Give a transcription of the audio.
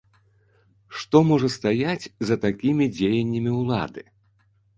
Што можа стаяць за такімі дзеяннямі ўлады?